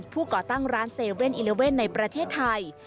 ก่อตั้งร้าน๗๑๑ในประเทศไทย